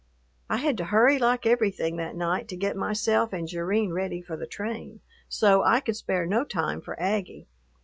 I had to hurry like everything that night to get myself and Jerrine ready for the train, so I could spare no time for Aggie.